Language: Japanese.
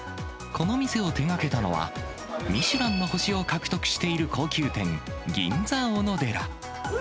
この店を手がけたのは、ミシュランの星を獲得している高級店、銀座おのでら。